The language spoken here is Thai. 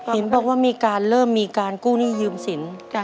เห็นบอกว่ามีการเริ่มมีการกู้หนี้ยืมสิน